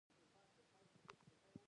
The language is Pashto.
د ایراني تومان کارول اقتصاد ته زیان دی.